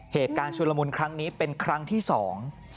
เหตุการณ์ชุนละมุนครั้งนี้เป็นครั้งที่สอง